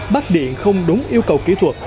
bắt điện không đúng yêu cầu kỹ thuật